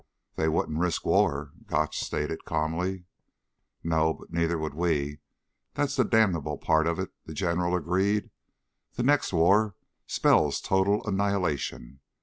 "They wouldn't risk war," Gotch stated calmly. "No, but neither would we. That's the damnable part of it," the General agreed. "The next war spells total annihilation.